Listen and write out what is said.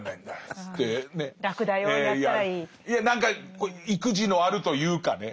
いや何か意気地のあるというかね